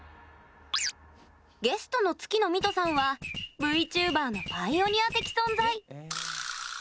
ゲストの月ノ美兎さんはＶＴｕｂｅｒのパイオニア的存在。